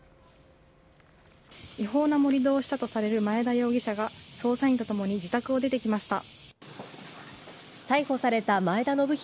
違法な盛り土をされたとされる前田容疑者が、捜査員と共に自宅を出てきました。